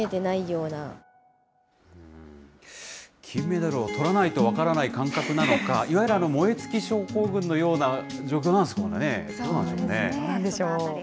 金メダルをとらないと分からない感覚なのか、いわゆる燃え尽き症候群のような状況なんですかね。